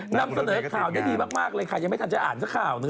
นำเสนอข่าวได้ดีมากเลยค่ะยังไม่ทันจะอ่านสักข่าวหนึ่ง